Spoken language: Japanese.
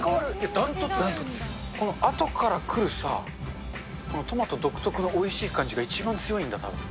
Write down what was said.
断トツ、あとから来るさ、このトマト独特のおいしい感じが一番強いんだ、たぶん。